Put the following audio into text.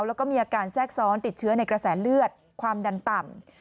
แล้วก็มีอาการแทรกซ้อนติดเชื้อในกระแสเลือดความดันต่ำ